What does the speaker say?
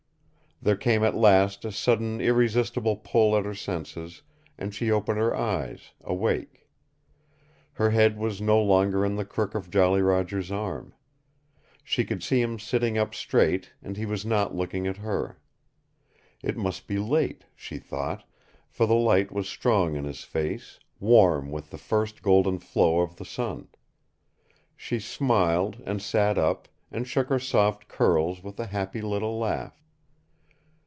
There came at last a sudden irresistible pull at her senses, and she opened her eyes, awake. Her head was no longer in the crook of Jolly Roger's arm. She could see him sitting up straight, and he was not looking at her. It must be late, she thought, for the light was strong in his face, warm with the first golden flow of the sun. She smiled, and sat up, and shook her soft curls with a happy little laugh.